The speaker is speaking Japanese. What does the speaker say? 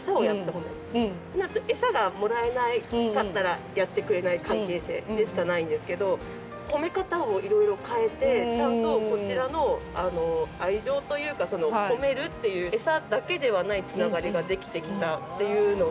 となると、餌がもらえなかったらやってくれない関係性でしかないんですけど褒め方をいろいろ変えて、ちゃんと、こちらの愛情というか褒めるっていう餌だけではないつながりができてきたというのは。